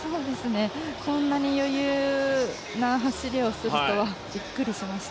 こんなに余裕な走りをするとはビックリしました。